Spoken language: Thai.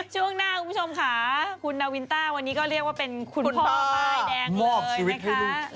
ช่วงหน้าคุณผู้ชมค่ะคุณนาวินต้าวันนี้ก็เรียกว่าเป็นคุณพ่อป้ายแดงเลยนะคะ